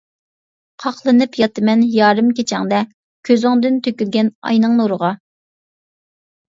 قاقلىنىپ ياتىمەن يارىم كېچەڭدە، كۆزۈڭدىن تۆكۈلگەن ئاينىڭ نۇرىغا.